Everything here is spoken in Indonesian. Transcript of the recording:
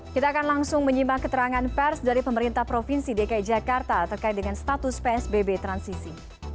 kita akan langsung menyimak keterangan pers dari pemerintah provinsi dki jakarta terkait dengan status psbb transisi